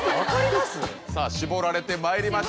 さぁ絞られてまいりました。